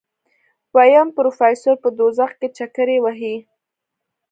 ويم پروفيسر په دوزخ کې چکرې وهي.